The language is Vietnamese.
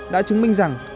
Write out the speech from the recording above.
đã chứng minh rằng